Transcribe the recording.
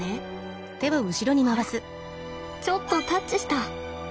ほらちょっとタッチした。